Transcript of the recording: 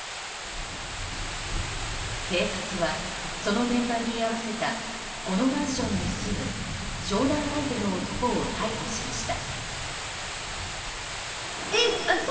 警察はその現場に居合わせたこのマンションに住む商談相手の男を逮捕しました。